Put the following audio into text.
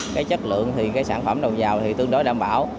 cái chất lượng thì cái sản phẩm đầu vào thì tương đối đảm bảo